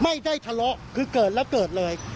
ไม่ได้ทะเลาะคือเกิดแล้วเกิดเลย